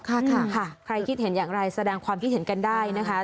ค่ะค่ะใครคิดเห็นอย่างไรแสดงความคิดเห็นกันได้นะคะ